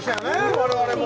我々も。